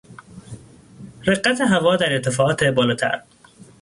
رقت هوا در ارتفاعات بالاتر